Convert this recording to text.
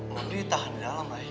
mohon di tahan di dalam